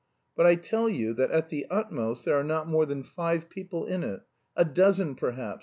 "But I tell you that at the utmost there are not more than five people in it a dozen perhaps.